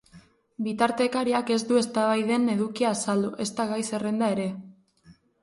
Bitartekariak ez du eztabaiden edukia azaldu, ezta gai-zerrenda ere.